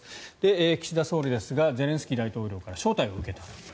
岸田総理ですがゼレンスキー大統領から招待を受けたと。